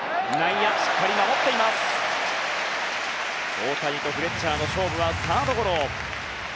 大谷とフレッチャーの勝負はサードゴロ。